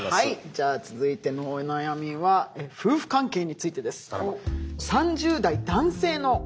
じゃあ続いてのお悩みは夫婦関係についてです。